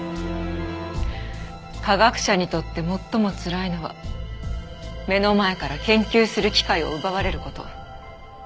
科学者にとって最もつらいのは目の前から研究する機会を奪われる事。